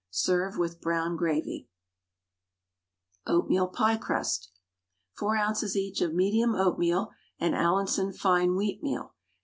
Serve with brown gravy. OATMEAL PIE CRUST. 4 oz. each of medium oatmeal and Allinson fine wheatmeal, and 2 1/2 oz.